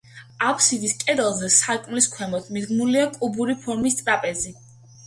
აფსიდის კედელზე, სარკმლის ქვემოთ, მიდგმულია კუბური ფორმის ტრაპეზი.